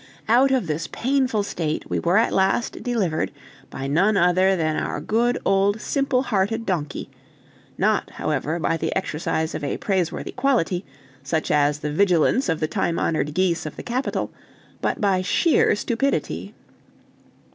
Out of this painful state we were at last delivered by none other than our good old simple hearted donkey; not, however, by the exercise of a praiseworthy quality, such as the vigilance of the time honored geese of the Capitol, but by sheer stupidity.